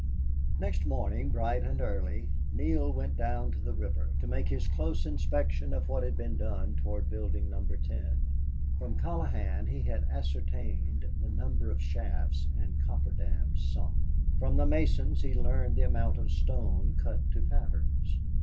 Next morning, bright and early, Neale went down to the river to make his close inspection of what had been done toward building Number Ten. From Colohan he ascertained the number of shafts and coffer dams sunk; from the masons he learned the amount of stone cut to patterns.